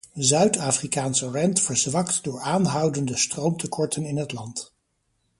Zuid-Afrikaanse rand verzwakt door aanhoudende stroomtekorten in het land.